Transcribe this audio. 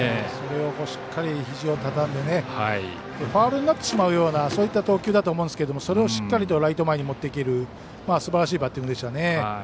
それをしっかりひじをたたんでファウルになってしまうようなそういった投球だと思うんですけどそれをしっかりとライト前に持っていけるすばらしいバッティングでしたね。